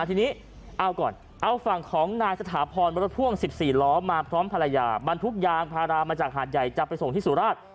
ทีนี้เอาก่อนเอาฝั่งของนายสถาพรรถพ่วง๑๔ล้อมาพร้อมภรรยาบรรทุกยางพารามาจากหาดใหญ่จะไปส่งที่สุราช